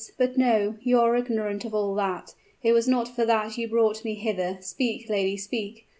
But no! you are ignorant of all that; it was not for that you brought me hither! Speak, lady, speak!